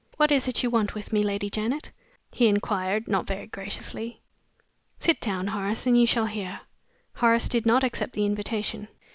"What is it you want with me, Lady Janet?" he inquired, not very graciously. "Sit down, Horace, and you shall hear." Horace did not accept the invitation.